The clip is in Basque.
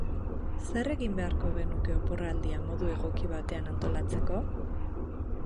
Zer egin beharko genuke oporraldia modu egoki batetan antolatzeko?